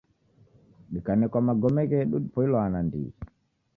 Dikanekwa magome ghedu dipoilwa nandighi